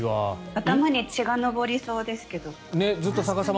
頭に血が上りそうですけど。